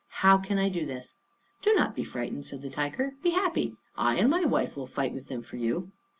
How can I do this?" "Do not be frightened," said the tiger. "Be happy. I and my wife will fight with them for you."